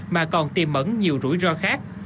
mà còn tiềm mẫn nhiều rủi ro khác